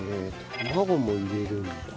卵も入れるんだ。